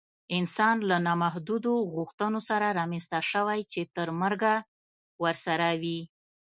انسان له نامحدودو غوښتنو سره رامنځته شوی چې تر مرګه ورسره وي